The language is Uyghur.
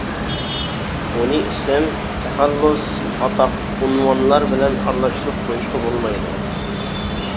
ئۇنى ئىسىم، تەخەللۇس، ئاتاق، ئۇنۋانلار بىلەن ئارىلاشتۇرۇپ قويۇشقا بولمايدۇ.